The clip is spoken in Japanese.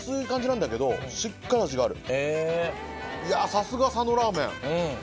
さすが佐野ラーメン。